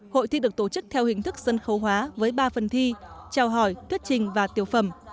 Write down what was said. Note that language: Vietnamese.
hội thi được tổ chức theo hình thức sân khấu hóa với ba phần thi trao hỏi thuyết trình và tiểu phẩm